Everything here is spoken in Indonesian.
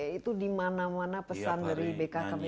kb itu di mana mana pesan dari bkkbn